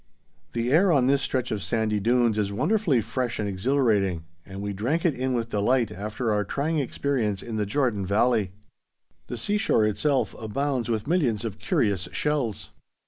The air on this stretch of sandy dunes is wonderfully fresh and exhilarating, and we drank it in with delight after our trying experience in the Jordan Valley. The seashore itself abounds with millions of curious shells.